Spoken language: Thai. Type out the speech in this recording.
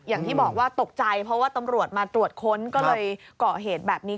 อย่างที่บอกว่าตกใจเพราะว่าตำรวจมาตรวจค้นก็เลยเกาะเหตุแบบนี้